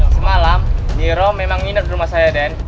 semalam nyihiro memang tidur di rumah saya den